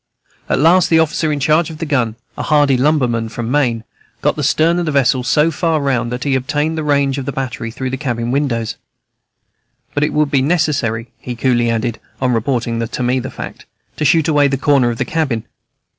At last the officer in charge of the gun, a hardy lumberman from Maine, got the stern of the vessel so far round that he obtained the range of the battery through the cabin windows, "but it would be necessary," he cooly added, on reporting to me this fact, "to shoot away the corner of the cabin."